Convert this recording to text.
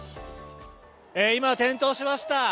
今、点灯しました。